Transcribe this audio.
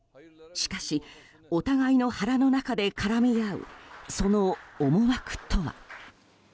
しかしお互いの腹の中で絡み合うその思惑とは。